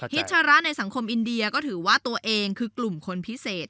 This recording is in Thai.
ชะระในสังคมอินเดียก็ถือว่าตัวเองคือกลุ่มคนพิเศษ